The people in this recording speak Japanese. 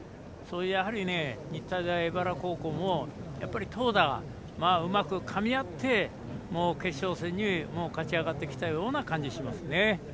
やはり、日体大荏原高校も投打がうまくかみ合って決勝戦に勝ち上がってきたような感じがします。